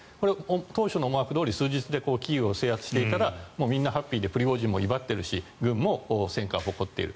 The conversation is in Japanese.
本来の思惑どおり数日でキーウを制圧していたらみんなハッピーでプリゴジンも威張ってるし軍も戦果を誇っている。